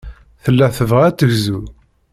Tella tebɣa ad tegzu.